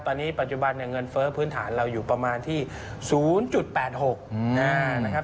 ตอนนี้ปัจจุบันเนี่ยเงินเฟ้อพื้นฐานเราอยู่ประมาณที่๐๘๖นะครับ